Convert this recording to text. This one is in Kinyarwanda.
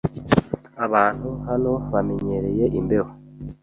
Abantu hano bamenyereye imbeho.